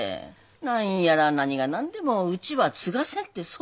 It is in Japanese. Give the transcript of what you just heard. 何やら何が何でもうちは継がせんってそう思っとるみたい。